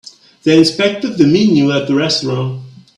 They inspected the menu at the restaurant.